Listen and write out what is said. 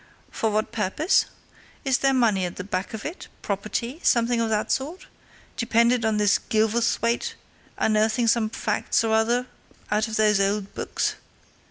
For what purpose? Is there money at the back of it property something of that sort, dependent on this Gilverthwaite unearthing some facts or other out of those old books?